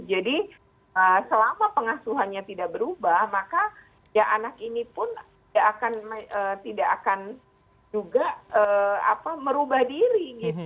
jadi selama pengasuhannya tidak berubah maka ya anak ini pun tidak akan juga merubah diri